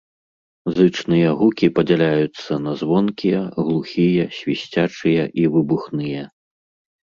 Зычныя гукі падзяляюцца на звонкія, глухія, свісцячыя і выбухныя.